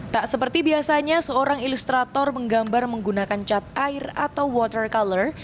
tak seperti biasanya seorang ilustrator menggambar menggunakan cat air atau water color